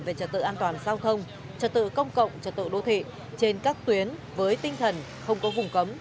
về trật tự an toàn giao thông trật tự công cộng trật tự đô thị trên các tuyến với tinh thần không có vùng cấm